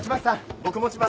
僕持ちます。